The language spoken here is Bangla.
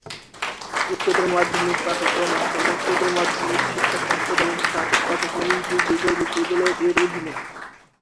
উচ্চতর মাধ্যমিক পাঠক্রম আসাম উচ্চতর মাধ্যমিক শিক্ষা সংসদ এবং স্নাতক পাঠক্রম ডিব্রুগড় বিশ্ববিদ্যালয়-এর অধীনে।